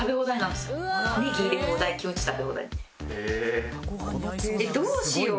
でどうしよう。